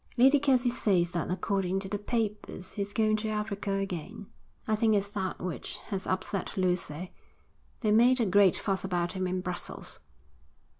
'Lady Kelsey says that according to the papers he's going to Africa again. I think it's that which has upset Lucy. They made a great fuss about him in Brussels.'